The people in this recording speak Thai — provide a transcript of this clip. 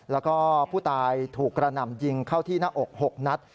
แล้วก็ผู้ตายถูกกระหน่ำยิงเข้าที่หน้าอก๖นัด